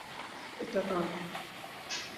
এটা তা না।